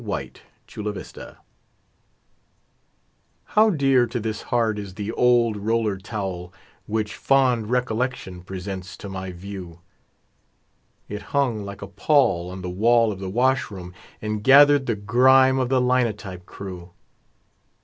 THE OLD ROLLER TOWEL How dear to this heart is the old roller towel Which fond recollection presents to my view. It hung like a pall on the wall of the washroom, And gathered the grime of the linotype crew.